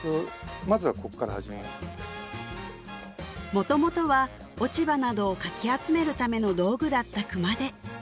元々は落ち葉などをかき集めるための道具だった熊手